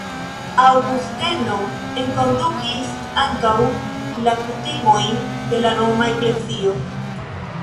Aŭgusteno enkondukis ankaŭ la kutimojn de la roma eklezio.